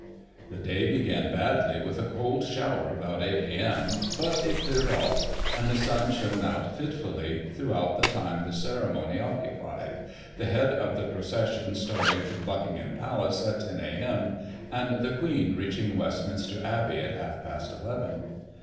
The day began badly, with a cold shower about 8 a.m., but it cleared off, and the sun shone out fitfully, throughout the time the ceremony occupied — the head of the procession starting from Bucking ham Palace at 10 a.m., and the Queen reaching Westminster Abbey at half past eleven.